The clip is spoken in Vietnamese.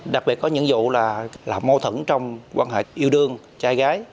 đặc biệt có những vụ là mô thẩn trong quan hệ yêu đương trai gái